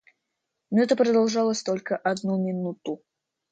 Но это продолжалось только одну минуту.